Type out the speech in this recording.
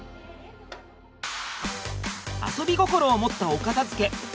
遊び心を持ったお片づけ。